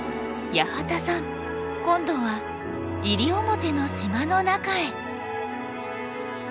八幡さん今度は西表の島の中へ。